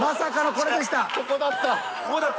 ここだった。